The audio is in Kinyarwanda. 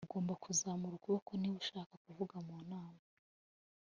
ugomba kuzamura ukuboko niba ushaka kuvuga mu nama